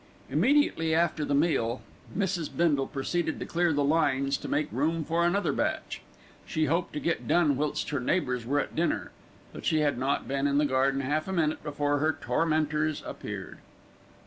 Immediately after the meal, Mrs. Bindle proceeded to clear the lines to make room for another batch. She hoped to get done whilst her neighbours were at dinner; but she had not been in the garden half a minute before her tormentors appeared.